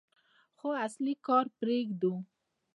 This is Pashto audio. خو اصلي کار پرېږدو.